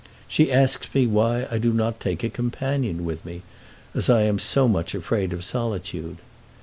She asks me why I do not take a companion with me, as I am so much afraid of solitude.